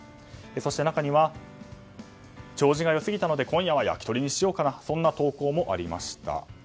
そして、中には弔辞が良すぎたので今夜は焼き鳥にしようかなとそんな投稿もありました。